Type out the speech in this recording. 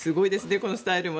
このスタイルも。